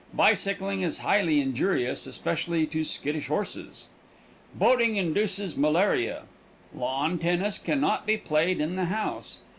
Bicycling is highly injurious, especially to skittish horses. Boating induces malaria. Lawn tennis can not be played in the house.